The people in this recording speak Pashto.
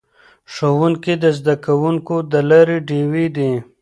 ښوونکي د زده کوونکو د لارې ډیوې دي.